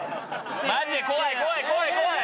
マジで怖い怖い怖い怖い！